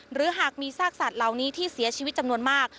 หรือหากมีซากสัตว์เหล่านี้ที่เสียชีวิตจำนวนมาก